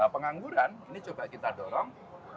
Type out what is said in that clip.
pengangguran ini coba kita dorong